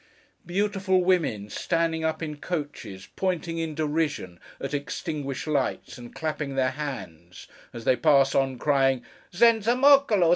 Beautiful women, standing up in coaches, pointing in derision at extinguished lights, and clapping their hands, as they pass on, crying, 'Senza Moccolo!